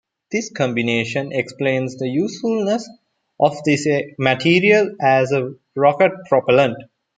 This combination explains the usefulness of this material as a rocket propellant.